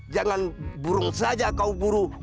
jangan burung saja kau buru